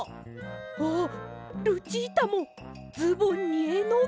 あっルチータもズボンにえのぐ！